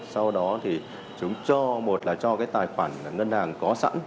sau đó thì chúng cho một là cho cái tài khoản ngân hàng có sẵn